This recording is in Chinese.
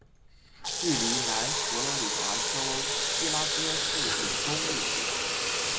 距离南佛罗里达州基拉戈市五公里。